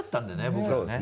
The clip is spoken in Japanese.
僕らはね。